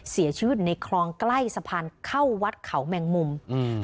เสียชีวิตในคลองใกล้สะพานเข้าวัดเขาแมงมุมอืม